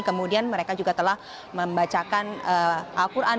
kemudian mereka juga telah membacakan al quran